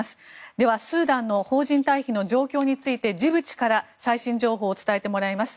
では、スーダンの邦人退避の状況についてジブチから最新情報を伝えてもらいます。